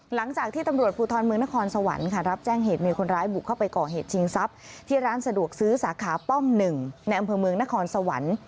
หลังจากที่ตำรวจภูทรเมืองนครสวรรค์ค่ะรับแจ้งเหตุมีคนร้ายบุกเข้าไปก่อเหตุชิงทรัพย์ที่ร้านสะดวกซื้อสาขาป้อม๑ในอำเภอเมืองนครสวรรค์